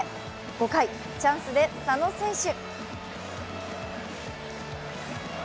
５回、チャンスで佐野選手。